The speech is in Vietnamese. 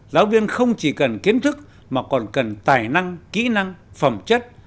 giáo viên không chỉ cần kiến thức mà còn cần tài năng kỹ năng phẩm chất